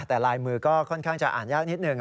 แต่ลายมือก็ค่อนข้างจะอ่านยากนิดหนึ่ง